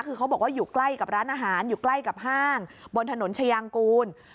คือเขาบอกว่าอยู่ใกล้กับร้านอาหารอยู่ใกล้กับห้างบนถนนชายางกูล